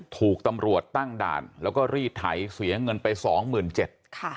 ถูกตำรวจตั้งด่านแล้วก็รีดไถเสียเงินไปสองหมื่นเจ็ดค่ะ